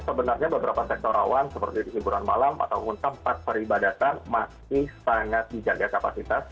sebenarnya beberapa sektor awan seperti di hiburan malam atau tempat peribadatan masih sangat dijaga kapasitas